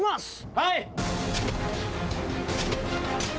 はい！